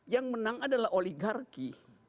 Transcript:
yang menang adalah oligarki